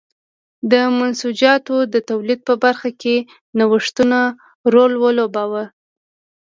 د منسوجاتو د تولید په برخه کې نوښتونو رول ولوباوه.